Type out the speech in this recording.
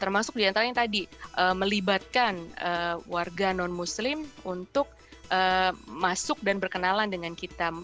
termasuk diantaranya tadi melibatkan warga non muslim untuk masuk dan berkenalan dengan kita